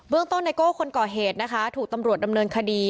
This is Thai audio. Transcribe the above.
เรื่องต้นในก้อกล่อเหตุอยู่ในโรงการบินดำเนินคดี